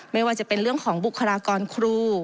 ไม่ว่าจะเป็นเรื่องของบุคลากรครู